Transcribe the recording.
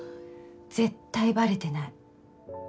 絶対バレてない。